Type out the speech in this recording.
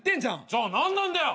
じゃあ何なんだよ！